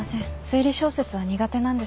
推理小説は苦手なんです。